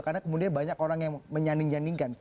karena kemudian banyak orang yang menyaning nyaningkan